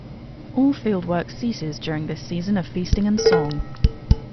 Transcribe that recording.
All field work ceases during this season of feasting and song.